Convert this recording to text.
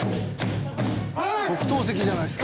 「特等席じゃないですか」